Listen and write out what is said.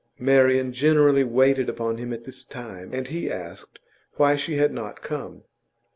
Marian generally waited upon him at this time, and he asked why she had not come.